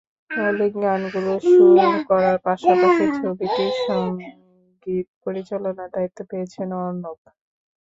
মৌলিক গানগুলোর সুর করার পাশাপাশি ছবিটির সংগীত পরিচালনার দায়িত্ব পেয়েছেন অর্ণব।